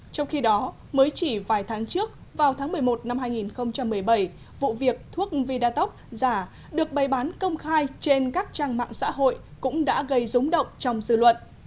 trong khi đó mới chỉ vài tháng trước vào tháng một mươi một năm hai nghìn một mươi bảy vụ việc thuốc vidatoc giả được bày bán công khai trên các trang mạng xã hội cũng đã gây rúng động trong dư luận